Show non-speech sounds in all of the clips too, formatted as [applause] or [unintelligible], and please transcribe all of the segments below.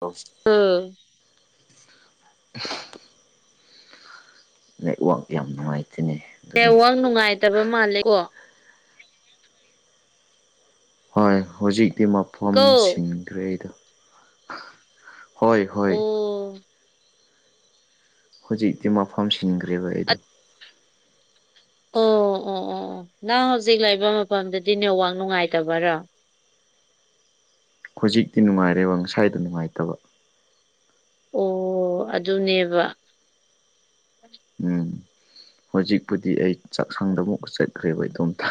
ꯑꯣ ꯑꯣ [inaudible] ꯅ ꯋꯥ ꯌꯥꯝ ꯅꯨꯡꯉꯥꯏꯇꯅꯤ [inaudible] ꯑꯦꯦ ꯋꯥꯡ ꯅꯨꯡꯉꯥꯏꯇꯕ ꯃꯥꯜꯂꯦ ꯀꯣ ꯍꯣꯏ ꯍꯧꯖꯤꯛꯇꯤ ꯃꯐꯝ ꯀꯣ ꯁꯤꯁꯤꯡꯈ꯭ꯔꯦ ꯑꯩꯗ ꯍꯣꯏ ꯍꯣꯏ ꯑꯣ ꯍꯧꯖꯤꯛꯇꯤ ꯃꯐꯝ ꯁꯤꯟꯈ꯭ꯔꯦꯕ ꯑꯩꯗꯣ ꯑꯣ ꯑꯣ ꯑꯣ ꯑꯣ ꯅꯪ ꯍꯧꯖꯤꯛ ꯂꯩꯕ ꯃꯐꯝꯗꯗꯤ ꯅꯦꯋꯥꯛ ꯅꯨꯡꯉꯥꯏꯇꯕꯔꯥ ꯍꯧꯖꯤꯛꯇꯤ ꯅꯨꯡꯉꯥꯏꯔꯦꯕ ꯉꯁꯥꯏꯗ ꯅꯨꯡꯉꯥꯏꯇꯕ ꯑꯣ ꯑꯗꯨꯅꯦꯕ ꯎꯝ ꯍꯧꯖꯤꯛꯄꯨꯗꯤ ꯑꯩ ꯆꯥꯛꯁꯥꯡꯗ ꯑꯃꯨꯛ ꯆꯠꯈ꯭ꯔꯦꯕ ꯏꯗꯣꯝꯇ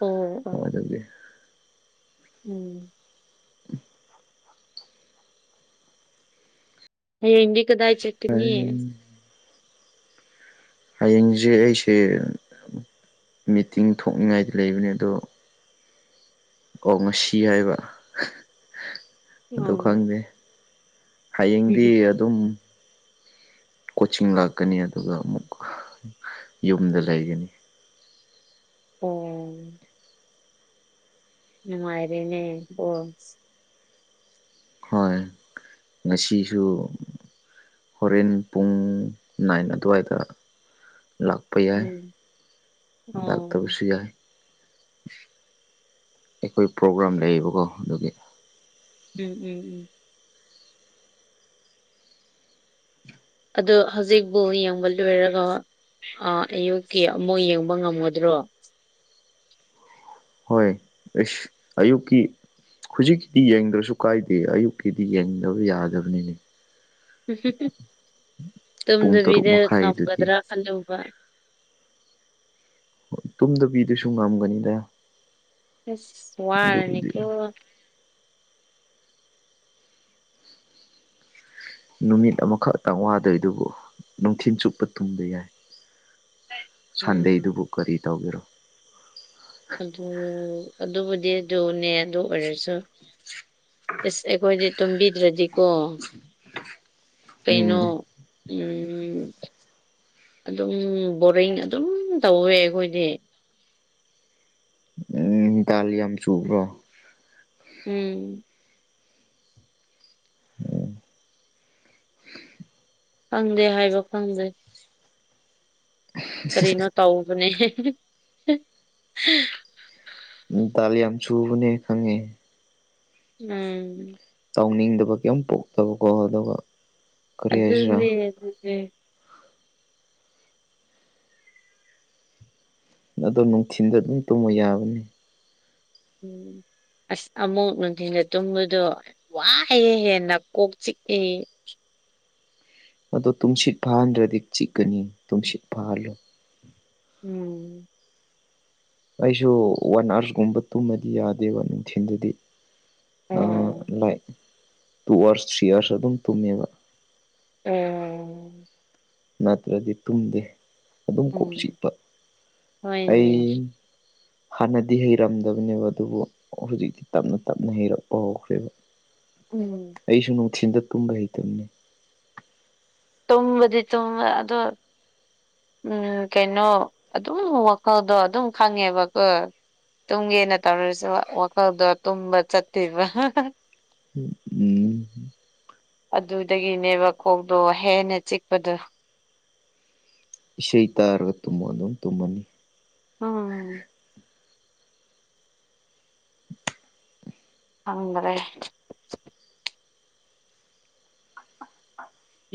ꯑꯣꯝ ꯎꯝ ꯑꯗꯨꯗꯤ ꯎꯝ ꯍꯗꯤ ꯀꯗꯥꯏ ꯆꯠꯅꯤ ꯍꯌꯦꯡꯁꯦ ꯑꯩꯁꯦ ꯃꯤꯇꯤꯡ ꯊꯣꯛꯅꯤꯡꯉꯥꯏꯗꯤ ꯂꯩꯕꯅꯦ ꯑꯗꯣ ꯀ ꯉꯁꯤ ꯍꯥꯏꯕ ꯑꯗꯨ ꯑꯣ ꯈꯪꯗꯦ ꯍꯌꯦꯡꯗꯤ ꯑꯗꯨꯝ ꯀꯣꯆꯤꯡ ꯂꯥꯛꯀꯅꯤ ꯑꯗꯨꯒ ꯑꯃꯨꯛ ꯌꯨꯝꯗ ꯂꯩꯒꯅꯤ ꯑꯣꯝ ꯅꯨꯡꯃꯥꯏꯔꯤꯅꯦ ꯑꯣꯣ ꯍꯣꯏ ꯉꯁꯤꯁꯨ ꯍꯣꯔꯦꯟ ꯄꯨꯡ ꯅꯥꯏꯟ ꯑꯗꯨꯋꯥꯏꯗ ꯂꯥꯛ ꯂꯥꯛꯄ ꯌꯥꯏ ꯎꯝ ꯑꯣ ꯂꯥꯛꯇꯕꯁꯨ ꯌꯥꯏ ꯑꯩꯈꯣꯏ ꯄ꯭ꯔꯣꯒ꯭ꯔꯥꯝ ꯂꯩꯌꯦꯕꯀꯣ ꯑꯗꯨꯒꯤ ꯎꯝ ꯎꯝ ꯎꯝ ꯑꯗꯣ ꯍꯧꯖꯤꯛꯕꯨ ꯌꯦꯡꯕ ꯂꯣꯏꯔꯒ ꯑꯥ ꯑꯌꯨꯛꯀꯤ ꯑꯃꯨꯛ ꯌꯦꯡꯕ ꯉꯝꯒꯗ꯭ꯔꯣ ꯍꯣꯏ ꯑꯩꯁ ꯑꯌꯨꯛꯀꯤ ꯍꯧꯖꯤꯛꯀꯤꯗꯤ ꯌꯦꯡꯗ꯭ꯔꯁꯨ ꯀꯥꯏꯗꯦ ꯑꯌꯨꯛꯀꯤꯗꯤ ꯌꯦꯡꯗꯕ ꯌꯥꯗꯕꯅꯤꯅꯦ ꯄꯨꯡ ꯇꯔꯨꯛ ꯇꯨꯝꯗꯕꯤꯗ ꯃꯈꯥꯏꯗꯨꯗꯤ ꯉꯝꯒꯗ꯭ꯔꯥ ꯈꯜꯂꯨꯕꯥ ꯇꯨꯝꯗꯕꯤꯗꯁꯨ ꯉꯝꯒꯅꯤꯗꯥ ꯑꯁ ꯋꯥꯔꯅꯤ ꯀꯣ ꯅꯨꯃꯤꯠ ꯑꯃꯈꯛꯇꯪ ꯋꯥꯗꯣꯏꯗꯨꯕꯨ ꯅꯨꯡꯊꯤꯜ ꯆꯨꯞꯄ ꯇꯨꯡꯕ ꯌꯥꯏ ꯎꯝ ꯁꯥꯟꯗꯦꯗꯨꯕꯨ ꯀꯔꯤ ꯇꯧꯒꯦꯔꯣ ꯑꯗꯨ ꯑꯗꯨꯕꯨꯗꯤ ꯑꯗꯨꯅꯦ ꯑꯗꯨ ꯑꯣꯏꯔꯁꯨ ꯑꯁ ꯑꯩꯈꯣꯏꯗꯤ ꯇꯨꯝꯕꯤꯗ꯭ꯔꯗꯤꯀꯣ ꯀꯩꯅꯣ ꯎꯝ ꯎꯝ ꯑꯗꯨꯝ ꯕꯣꯔꯤꯡ ꯑꯗꯨꯝ ꯇꯧꯋꯦ ꯑꯩꯈꯣꯏꯗꯤ ꯥ ꯌꯥꯝ ꯆꯨꯕ꯭ꯔꯣ ꯎꯝ ꯈꯪꯗꯦ ꯍꯥꯏꯕ ꯈꯪꯗꯦ ꯀꯔꯤꯅꯣ ꯇꯧꯕꯅꯦ ꯢꯇꯥꯜ ꯌꯥꯝ ꯆꯨꯕꯅꯦ ꯈꯪꯉꯦ ꯎꯝ ꯇꯧꯅꯤꯡꯗꯕ ꯀꯩꯝ ꯄꯣꯛꯇꯕꯀꯣ ꯑꯗꯨꯒ ꯀꯔꯤ ꯍꯥꯏꯁꯤꯔꯥ ꯑꯗꯨꯅꯦ ꯑꯗꯨꯅꯦ ꯑꯗꯣ ꯅꯨꯡꯊꯤꯟꯗ ꯑꯗꯨꯝ ꯇꯨꯝꯃꯣ ꯌꯥꯕꯅꯤ ꯎꯝ ꯑꯁ ꯑꯃꯨꯛ ꯅꯨꯡꯊꯤꯟꯗ ꯇꯨꯝꯕꯗꯣ ꯋꯥꯏꯍꯦ ꯍꯦꯟꯅ ꯀꯣꯛ ꯆꯤꯛꯑꯦ ꯑꯗꯣ ꯇꯨꯝꯁꯤꯠ ꯐꯥꯍꯟꯗ꯭ꯔꯗꯤ ꯆꯤꯛꯀꯅꯤ ꯇꯨꯝꯁꯤꯠ ꯐꯥꯍꯜꯂꯣ ꯎꯝ ꯑꯩꯁꯨ ꯋꯥꯟ ꯑꯥꯋꯥꯔ ꯒꯨꯝꯕ ꯇꯨꯝꯃꯗꯤ ꯌꯥꯗꯦꯕ ꯅꯨꯡꯊꯤꯟꯗꯗꯤ ꯑꯥ ꯑꯣ like two hours three hours ꯑꯗꯨꯝ ꯇꯨꯝꯃꯦꯕ ꯑꯣ ꯅꯠꯇ꯭ꯔꯗꯤ ꯇꯨꯝꯗꯦ ꯑꯗꯨꯝ ꯀꯣꯛ ꯎꯝ ꯆꯤꯛꯄ ꯑꯩ ꯍꯣꯏꯅꯦ ꯍꯥꯟꯅꯗꯤ ꯍꯩꯔꯝꯗꯕꯅꯦꯕ ꯑꯗꯨꯕꯨ ꯑꯣ ꯍꯧꯖꯤꯛꯇꯤ ꯇꯞꯅ ꯇꯞꯅ ꯍꯩꯔꯛꯄ ꯍꯧꯈ꯭ꯔꯦꯕ ꯎꯝ ꯑꯩꯁꯨꯨ ꯅꯨꯡꯊꯤꯟꯗ ꯇꯨꯝꯕ ꯍꯩꯇꯕꯅꯦ ꯇꯨꯝꯕꯗꯤ ꯇꯨꯝꯕ ꯑꯗꯣ ꯎꯝ ꯀꯩꯅꯣ ꯑꯗꯨꯝ ꯋꯥꯈꯜꯗꯣ ꯑꯗꯨꯝ ꯈꯪꯉꯦꯕꯀꯣ ꯇꯨꯝꯒꯦꯅ ꯇꯧꯔꯁꯨ ꯋꯥꯈꯜꯗꯣ ꯇꯨꯝꯕ ꯆꯠꯇꯦꯕ ꯎꯝ ꯑꯗꯨꯗꯒꯤꯅꯦꯕ ꯀꯣꯛꯇꯣ ꯍꯦꯟꯅ ꯆꯤꯛꯄꯗꯣ ꯏꯁꯩ ꯇꯥꯔꯒ ꯇꯨꯝꯃꯣ ꯑꯗꯨꯝ ꯇꯨꯝꯃꯝꯅꯤ ꯑꯥ ꯈꯪꯗꯔꯦ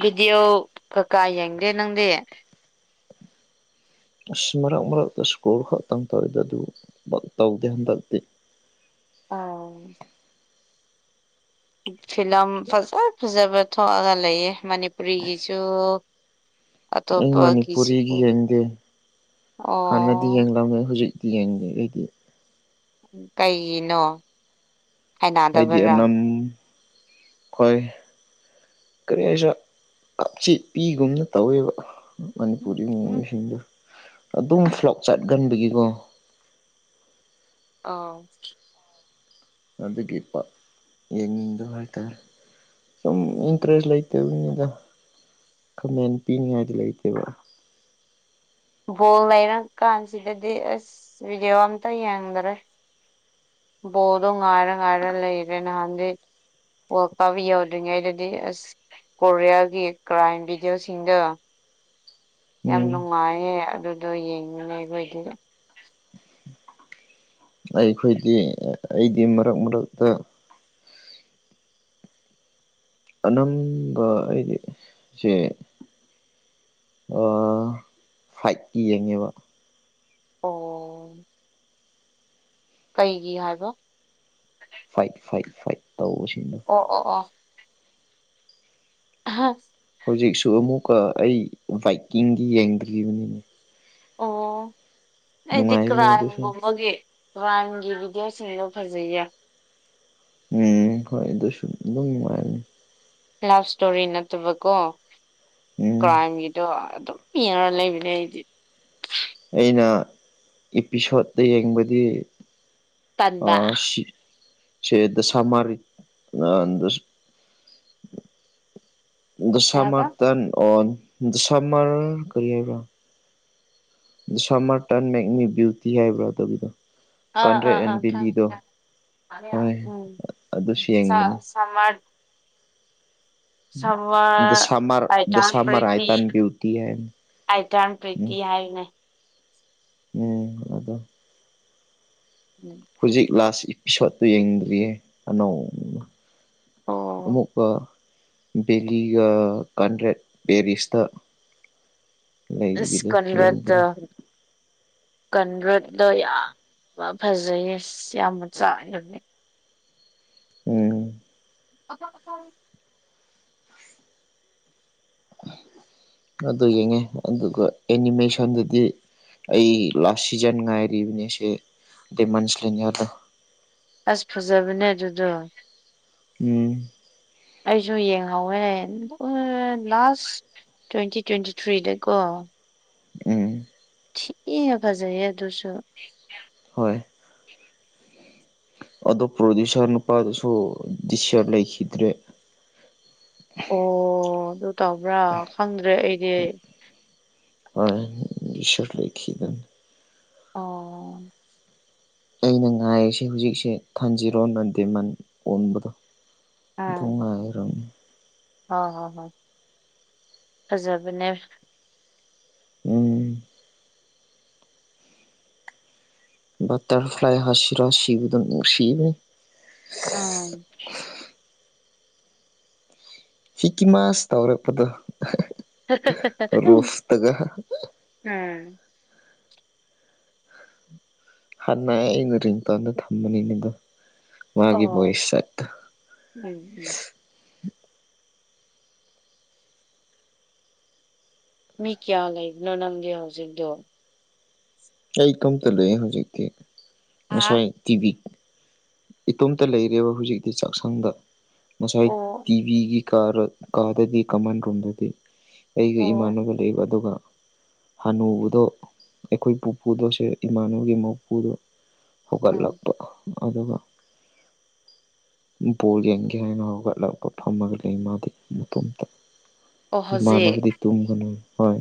ꯚꯤꯗꯤꯑꯣ ꯀꯥꯢ ꯌꯦꯡꯒꯦ ꯅꯪꯗꯤ ꯑꯁ ꯃꯔꯛ ꯃꯔꯛꯇ ꯁ꯭ꯀꯣꯜ ꯈꯛꯇꯪ ꯇꯧꯏꯗꯥ ꯑꯗꯨ ꯇꯧꯗꯦ ꯍꯟꯗꯛꯇꯤ ꯑꯧ ꯐꯤꯂꯝ ꯐꯖ ꯐꯖꯕ ꯊꯣꯛꯑꯒ ꯂꯩꯌꯦ ꯃꯅꯤꯄꯨꯔꯤꯒꯤꯁꯨ ꯑꯩ ꯃꯅꯤꯄꯨꯔꯤꯒꯤ ꯑꯇꯣꯞꯄꯒꯤꯁꯨ ꯌꯦꯡꯗꯦ ꯍꯥꯟꯅꯗꯤ ꯑꯣ ꯌꯦꯡꯂꯝꯃꯦ ꯍꯧꯖꯤꯛꯇꯤ ꯌꯦꯡꯗꯦ ꯑꯩꯗꯤ ꯀꯩꯒꯤꯅꯣ ꯑꯩꯗꯤ ꯍꯩꯅꯗꯕꯔꯥ ꯑꯝ ꯈꯣꯏ ꯀꯔꯤ ꯍꯥꯢꯁꯤꯔꯥ ꯀꯞꯆꯦꯠꯄꯤꯒꯨꯝꯅ ꯇꯧꯋꯦꯕꯥ ꯃꯅꯤꯄꯨꯔꯤ ꯃꯣꯏꯁꯤꯡꯗꯣ ꯑꯗꯨꯝ ꯐ꯭ꯂꯣꯛ ꯆꯠꯒꯟꯕꯒꯤꯀꯣ ꯑꯥ ꯑꯗꯨꯒꯤ ꯄꯤꯛ ꯌꯦꯡꯅꯤꯡꯗꯕ ꯍꯥꯏꯇꯥꯔꯦ ꯁꯨꯝ ꯎꯝ ꯏꯟꯇꯔꯦꯖ ꯂꯩꯥꯏ ꯑꯗꯨꯅꯤꯗ ꯀꯥꯃꯦꯟ ꯄꯤꯅꯤꯡꯉꯥꯏꯗꯤ ꯂꯩꯇꯦꯕ ꯕꯣꯜ ꯂꯩꯔꯀꯥꯟꯁꯤꯗꯗꯤ ꯑꯁ ꯚꯤꯗꯤꯑꯣ ꯑꯝꯇ ꯌꯦꯡꯗꯔꯦ ꯕꯣꯜꯗꯣ ꯉꯥꯏꯔ ꯉꯥꯏꯔ ꯂꯩꯔꯦ ꯅꯍꯥꯟꯗꯤ ꯋꯥꯜꯀꯞ ꯌꯧꯗ꯭ꯔꯤꯉꯩꯗꯗꯤ ꯑꯁ ꯀꯣꯔꯤꯌꯥꯒꯤ ꯀ꯭ꯔꯥꯏꯝ ꯚꯤꯗꯤꯑꯣꯁꯤꯡꯗꯣ ꯌꯥꯝ ꯎꯝ ꯅꯨꯡꯉꯥꯏꯌꯦ ꯑꯗꯨꯗꯣ ꯌꯦꯡꯅꯤꯡꯉꯦ ꯑꯩꯈꯣꯏꯗꯤ ꯑꯩꯈꯣꯏꯗꯤ ꯑꯩꯗꯤ ꯃꯔꯛ ꯃꯔꯛꯇ ꯑꯅꯝꯕ ꯑꯩꯗꯤ ꯆꯦ ꯑ ꯐꯥ꯭ꯏꯠꯀꯤ ꯌꯦꯡꯉꯦꯕ ꯑꯣ ꯀꯩꯒꯤ ꯍꯥꯏꯕ ꯐꯥꯏꯠ ꯐꯥꯏꯠ ꯐꯥꯏꯠ ꯇꯧꯕꯁꯤꯡꯗꯣ ꯑꯣ ꯑꯣ ꯑꯣ ꯍꯍ [inaudible] [unintelligible] ꯍꯧꯖꯤꯛꯁꯨ ꯑꯃꯨꯛꯀ ꯑꯩ ꯕꯥꯏꯛꯀꯤꯡꯗꯤ ꯌꯦꯡꯗ꯭ꯔꯤꯕꯅꯤꯅꯦ ꯑꯣ ꯑꯩꯗꯤ ꯅꯨꯡꯉꯥꯏꯕꯅꯦ ꯑꯗꯨꯁꯨ ꯀ꯭ꯔꯥꯝꯒꯕꯒꯦ ꯀꯔꯥꯏꯝꯒꯤ ꯚꯤꯗꯤꯑꯣꯁꯤꯡꯗꯣ ꯐꯖꯩꯌꯦ ꯎꯝ ꯍꯣꯏ ꯑꯗꯨꯁꯨ ꯑꯗꯨꯝ ꯅꯨꯡꯉꯥꯏꯔꯅꯤ ꯂꯥꯢꯐ ꯏꯁꯇꯣꯔꯤ ꯅꯠꯇꯕꯀꯣ ꯎꯝ ꯀ꯭ꯔꯥꯏꯝꯒꯤꯗꯣ ꯑꯗꯨꯝ ꯄꯤꯍꯔ ꯂꯩꯕꯤ ꯂꯩꯗꯤ ꯑꯩꯅ ꯏꯄꯤꯁꯣꯠꯇ ꯌꯦꯡꯕꯗꯤ ꯑ ꯇꯟꯕ ꯁꯤ [inaudible] ꯁꯤꯗ ꯁꯃꯥꯔꯤꯛ ꯑ ꯀꯩ ꯗꯁꯥ ꯍꯥꯏꯕ ꯃꯔꯇ ꯑꯣ ꯗꯣꯁꯥ ꯃꯔ ꯀꯔꯤ ꯍꯥꯏꯕ ꯁꯝꯃꯔꯇꯟ ꯃꯦꯛꯃꯤ ꯕ꯭ꯌꯨꯇꯤ ꯍꯥꯏꯕ꯭ꯔꯥ ꯇꯒꯤꯗꯣ ꯑꯥ ꯀꯟꯗ꯭ꯔꯦꯛ ꯑꯥ ꯑꯦꯟ ꯑꯥ ꯈꯪ ꯚꯦꯂꯤꯗꯣ [inaudible] ꯎꯝ ꯌꯦꯡꯕꯅꯦ [unintelligible] ꯁꯃꯥꯔ ꯁ ꯗ ꯁꯝꯃꯔ ꯗ ꯑꯥꯏꯇꯥꯡ ꯁꯝꯃꯔ ꯄꯔꯤꯇ [inaudible] ꯑꯥꯏ ꯇꯟ [unintelligible] ꯕ꯭ꯌꯨꯇꯤ ꯍꯥꯏꯅ ꯑꯇꯥꯟ ꯄꯔꯤꯇꯤ ꯍꯥꯏꯅꯦ ꯑꯗ [inaudible] ꯎꯝ [unintelligible] [inaudible] ꯍꯧꯖꯤꯛ ꯂꯥꯁ ꯏꯄꯤꯁꯣꯠꯇꯨ ꯌꯦꯡꯗ꯭ꯔꯤꯌꯦ ꯑꯅꯧꯅ ꯑꯣ ꯑꯃꯨꯛꯀ ꯕꯦꯂꯤꯒ ꯀꯥꯟꯗ꯭ꯔꯦꯠ ꯄꯦꯔꯤꯁꯇ ꯂꯩꯕꯒꯤꯗꯨ ꯏꯁꯁꯀꯟꯕꯠꯇ ꯌꯦꯡꯗ꯭ꯔꯤ [unintelligible] [inaudible] ꯀꯟ ꯔ꯭ꯔꯗꯣ ꯌꯥꯝ ꯐꯖꯩꯌꯦꯁ ꯌꯥꯝꯅ ꯆꯥꯏꯗꯅꯦ ꯎꯝ ꯑ ꯑꯁ [unintelligible] [inaudible] ꯑꯗꯨ ꯌꯦꯡꯉꯦ ꯑꯗꯨꯒ ꯑꯦꯅꯤꯃꯦꯁꯟꯗꯗꯤ ꯑꯩ ꯂꯥꯁ ꯁꯤꯖꯟ ꯉꯥꯏꯔꯤꯕꯅꯦꯁꯦ ꯗꯃꯟꯁꯂꯤꯅꯤꯗ ꯑꯁ ꯐꯖꯕꯅꯦ ꯑꯗꯨꯗꯣ ꯎꯝ ꯑꯩꯁꯨ ꯌꯦꯡꯍꯧꯋꯦ ꯂꯥꯁ ꯇ꯭ꯋꯦꯟꯇꯤ ꯇ꯭ꯋꯦꯟꯇꯤ ꯊ꯭ꯔꯤꯗ ꯀꯣ ꯎꯝ ꯊꯤꯅ ꯐꯖꯩꯌꯦ ꯑꯗꯨꯁꯨ ꯍꯣꯏ ꯑꯗꯣ ꯄ꯭ꯔꯣꯗꯨꯁꯔ ꯅꯄꯗꯨꯁꯨ [unintelligible] ꯂꯩꯈꯤꯗ꯭ꯔꯦ ꯑꯣ ꯑꯗꯨ ꯇꯧꯕ꯭ꯔꯥ ꯈꯪꯗ꯭ꯔꯦ ꯑꯩꯗꯤ ꯏ ꯁꯔꯠ ꯂꯩꯈꯤꯗꯅ ꯑꯣ ꯑꯩꯅ ꯉꯥꯏꯔꯤꯁꯦ ꯍꯧꯖꯤꯛꯁꯦ ꯊꯟꯖꯤꯔꯣꯅ ꯗꯦꯃꯟ ꯑꯣꯟꯕꯗꯣ ꯑꯥ ꯊꯉꯥꯏꯔꯣꯝ ꯍꯣꯏ ꯍꯣꯏ ꯍꯣꯏ ꯐꯖꯕꯅꯦ ꯎꯝ ꯇꯔ ꯐ꯭ꯂꯥꯏ ꯍꯁꯤꯔ ꯍꯁꯤꯕꯨꯗꯁꯤꯕꯅꯤ ꯑꯥ [inaudible] ꯍꯤꯛꯀꯤꯃꯁ ꯇꯧꯔꯛꯄꯗꯣ ꯔꯣꯐꯇꯒ [unintelligible] [inaudible] ꯎꯝ ꯍꯥꯟꯅ ꯑꯩꯅ ꯔꯤꯡꯇꯣꯟꯗ ꯊꯝꯕꯅꯤꯗ ꯃꯥꯒꯤ ꯑꯣ ꯚꯣꯏꯁ ꯁꯦꯠꯇꯣ ꯎꯝ ꯎꯝ ꯃꯤ ꯀꯌꯥ ꯂꯩꯕꯅꯣ ꯅꯪꯗꯤ ꯍꯧꯖꯤꯛꯇꯣ ꯑꯩ ꯏꯇꯣꯝꯇ ꯂꯩ ꯍꯧꯖꯤꯛꯇꯤ ꯍꯥ ꯉꯁꯥꯏ ꯇꯤꯚꯤ ꯏꯇꯣꯝꯇ ꯂꯩꯔꯦꯕ ꯍꯧꯖꯤꯛꯇꯤ ꯆꯥꯛꯁꯪꯗ ꯉꯁꯥꯏ ꯑꯣ ꯇꯤꯚꯤꯒꯤ ꯀꯥ ꯀꯥꯗꯗꯤ ꯀꯃꯟ ꯔꯨꯝꯝꯗꯗꯤ ꯑꯩꯒ ꯑꯣ ꯏꯃꯥꯟꯅꯕ ꯂꯩꯕ ꯑꯗꯨꯒ ꯎꯝ ꯍꯥꯟꯅꯨꯕꯗꯣ ꯑꯩꯈꯣꯏ ꯄꯨꯗꯣ ꯏꯃꯥꯟꯅꯨꯒꯤ ꯃꯄꯨꯗꯣ ꯍꯧꯒꯠꯂꯛꯄ ꯑꯗꯨꯒ [unintelligible] ꯕꯣꯜ ꯌꯦꯡꯒꯦ ꯍꯥꯏꯅ ꯍꯧꯒꯠꯂꯛꯄ ꯐꯝꯃꯒ ꯂꯩ ꯃꯥꯗꯤ ꯃꯇꯣꯝꯇ ꯑꯣ ꯍꯧꯖꯤꯛ ꯏꯃꯥꯟꯅꯕꯗꯤ ꯇꯨꯝꯒꯅꯨ ꯍꯣꯏ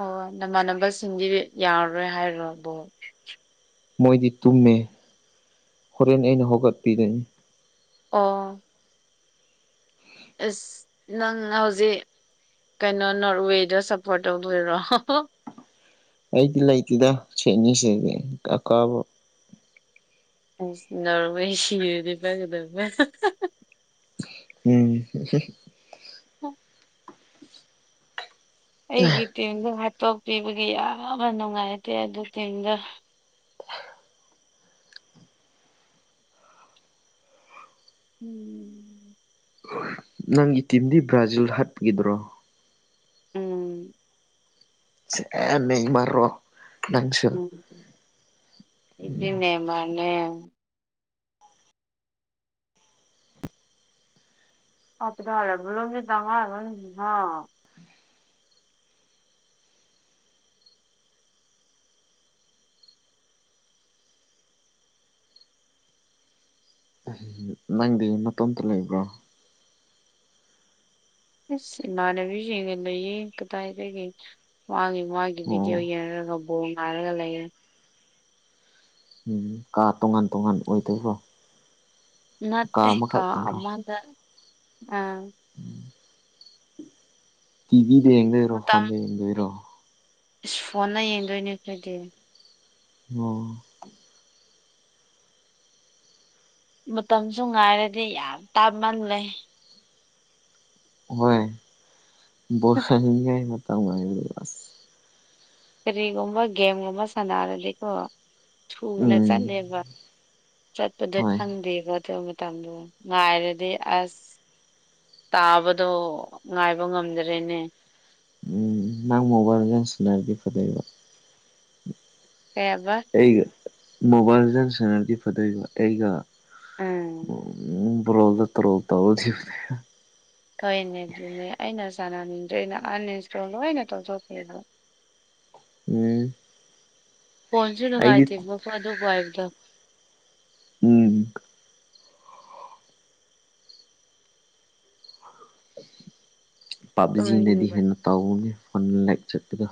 ꯑꯣ ꯅꯃꯥꯟꯅꯕꯁꯤꯡꯗꯤ ꯌꯥꯔꯔꯣꯏ ꯍꯥꯏꯔꯣ ꯕꯣ ꯃꯣꯏꯗꯤ ꯇꯨꯝꯃꯦ ꯍꯣꯔꯦꯟ ꯑꯩꯅ ꯍꯧꯒꯠꯄꯤꯗꯣꯏꯅꯤ ꯑꯣ ꯑꯁ ꯅꯪ ꯍꯧꯖꯤꯛ ꯀꯩꯅꯣ ꯅꯣꯔꯠꯋꯦꯗ ꯁꯞꯄꯣꯔꯠ ꯇꯧꯗꯣꯏꯔꯣ ꯑꯩꯗꯤ ꯂꯩꯇꯦꯗ ꯁꯤ ꯑꯅꯤꯁꯤꯗꯤ ꯏꯀꯥ ꯀꯥꯔꯕꯨ ꯅꯣꯔꯋꯦ [unintelligible] ꯎꯝ ꯎ ꯑꯩꯒꯤ ꯇꯤꯝꯗꯣ ꯍꯥꯠꯇꯣꯛꯄꯤꯕꯒꯤ ꯌꯥꯝꯅ ꯅꯨꯡꯉꯥꯏꯇꯦ ꯑꯗꯨ ꯇꯤꯝꯗꯣ [unintelligible] ꯎꯝ ꯅꯪꯒꯤ ꯇꯤꯝꯗꯤ ꯕ꯭ꯔꯥꯖꯤꯜ ꯎꯝ [unintelligible] ꯅꯪꯁꯨ ꯎꯝ ꯑꯩꯗꯤ ꯅꯦꯃꯥꯔꯅꯦ ꯑꯄꯤ ꯍꯥꯏꯂ ꯇꯥꯉ [unintelligible] ꯅꯪꯗꯤ ꯅꯇꯣꯝꯇ ꯂꯩꯕ꯭ꯔꯣ ꯏꯁ ꯏꯃꯥꯟꯅꯕꯤꯁꯤꯡꯒ ꯂꯩꯌꯦ ꯀꯗꯥꯏꯗꯒ ꯃꯥꯒꯤ ꯃꯥꯒꯤ ꯕꯤꯗꯤꯑꯣ ꯑꯣ ꯌꯦꯡꯔꯒ ꯕꯣꯡ ꯉꯥꯏꯔꯒ ꯂꯩꯔꯦ ꯎꯝ ꯀꯥ ꯇꯣꯉꯥꯟ ꯇꯣꯉꯥꯟ ꯑꯣꯏꯗꯕꯔꯣ ꯅꯠꯇꯦ ꯀ ꯑꯃꯗ ꯑ ꯎꯝ ꯇꯤꯚꯤꯗ ꯌꯦꯡꯗꯣꯏꯔꯣ ꯃꯇꯝ ꯐꯣꯟꯗ ꯌꯦꯡꯗꯣꯏꯔꯣ ꯏꯁ ꯐꯣꯟꯅ ꯌꯦꯡꯗꯣꯏꯅꯦ ꯑꯗꯨꯣꯏꯗꯤ ꯑꯣ ꯃꯇꯝꯁꯨ ꯉꯥꯏꯔꯗꯤ ꯌꯥꯝ ꯇꯥꯃꯜꯂꯦ ꯍꯣꯏ [unintelligible] ꯀꯔꯤꯒꯨꯝꯕ ꯒꯦꯝꯒꯨꯝꯕ ꯁꯥꯟꯅꯔꯗꯤꯀꯣ ꯊꯨꯅ ꯎꯝ ꯆꯠꯂꯦꯕ ꯆꯠꯄꯗ ꯍꯣꯏ ꯐꯪꯗꯦꯀꯣ ꯑꯗꯨ ꯃꯇꯝꯗꯣ ꯉꯥꯏꯔꯗꯤ ꯑꯁ ꯇꯥꯕꯗꯣ ꯉꯥꯏꯕ ꯉꯝꯗ꯭ꯔꯦꯅꯦ ꯎꯝ ꯅꯪ ꯃꯣꯕꯥꯜ ꯂꯤꯖꯦꯟ ꯁꯥꯅꯔꯗꯤ ꯐꯥꯗꯩꯕꯣ ꯀꯩ ꯍꯥꯏꯕ ꯑꯩꯒ ꯃꯣꯕꯥꯏꯜꯗ ꯂꯦꯒꯦꯟꯗ ꯁꯥꯟꯅꯔꯗꯤ ꯐꯗꯣꯏꯕ ꯑꯩꯒ ꯎꯝ ꯕꯣꯜꯗ ꯇ꯭ꯔꯣꯜ ꯇꯧꯔ ꯊꯤꯕꯅꯤ ꯍꯣꯏꯅꯦ ꯑꯗꯨꯅꯦ ꯑꯩꯅ ꯁꯥꯅꯅꯤꯡꯗ꯭ꯔꯦꯅ ꯑꯟꯏꯟꯁꯇꯣꯜ ꯂꯣꯏꯅ ꯇꯧꯊꯣꯛꯈꯤꯕ ꯎꯝ ꯐꯣꯟꯁꯨ ꯑꯩꯗꯤ ꯅꯨꯡꯉꯥꯏꯇꯦꯕ ꯑꯗꯨ ꯍꯥꯏꯕꯗ ꯎꯝ ꯄꯕꯖꯤꯅꯗꯤ ꯇꯨꯝꯅꯤꯡꯕ ꯍꯦꯟꯅ ꯇꯧꯅꯤ ꯐꯟ ꯂꯥꯏꯔꯤꯛ ꯆꯠꯄꯗ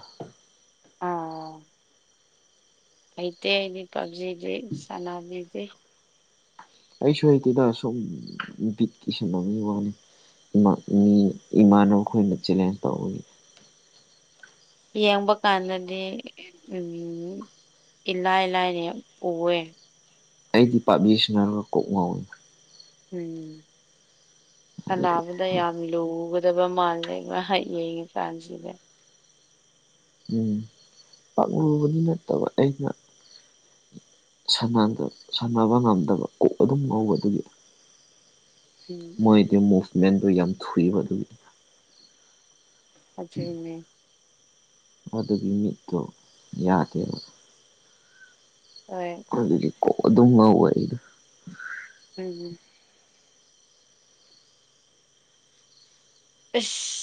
ꯑꯥ ꯍꯩꯇꯦ ꯑꯩꯗꯤ ꯄꯞꯖꯤꯗꯤ ꯁꯅꯥꯕꯤꯗꯤ ꯑꯩꯁꯨ ꯍꯇꯦꯗ ꯁꯨꯝ ꯕꯤꯠꯀꯤ ꯁꯥꯅꯕꯒꯤ ꯋꯥꯅꯤ ꯃꯤ ꯏꯃꯥꯟꯅꯕ ꯑꯩꯈꯣꯏꯅ ꯆꯦꯂꯦꯟꯖ ꯇꯧꯕꯧꯕꯒꯤ ꯌꯦꯡꯕ ꯀꯥꯟꯗꯗꯤ ꯏꯂꯥꯏ ꯂꯥꯏꯅ ꯎꯑꯦ ꯑꯩꯗꯤ ꯄꯥꯞꯖꯤ ꯁꯥꯅꯕ ꯀꯣꯛ ꯉꯧꯏ ꯎꯝ ꯑꯗꯨꯒꯤ ꯍꯜꯂꯛꯑꯕꯅꯤ [unintelligible] ꯌꯥꯝ ꯂꯨꯒꯗꯕ ꯃꯥꯜꯂꯦ ꯉꯥꯏꯍꯥꯛ ꯌꯦꯡꯉꯤꯀꯥꯟꯁꯤꯗ ꯎꯝ ꯄꯥꯛꯂꯨꯕꯗꯤ ꯅꯠꯇꯕ ꯑꯩꯅ ꯁꯥꯟꯅꯕ ꯉꯝꯗꯕ ꯀꯣꯛ ꯑꯗꯨꯝ ꯆꯥꯎꯕ ꯑꯗꯨꯒꯤ ꯎꯝ ꯃꯣꯏꯗꯤ ꯎꯝ ꯃꯥꯔꯀꯁꯃꯦꯟꯗꯨ ꯌꯥꯝ ꯊꯨꯌꯦꯕ ꯑꯗꯨꯒꯤ [unintelligible] ꯑꯗꯨꯒꯤ ꯃꯤꯠꯇꯣ ꯌꯥꯗꯦꯕ ꯍꯣꯏ ꯑꯗꯨꯗꯤ ꯀꯣꯛ ꯑꯗꯨꯝ ꯉꯥꯎꯋꯦ ꯑꯩꯩꯗꯣ ꯎꯝ ꯎꯝ ꯑꯁ